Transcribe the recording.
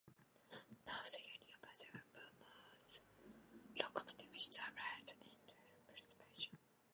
None of the Union Pacific Bull Moose Locomotives survived into Preservation.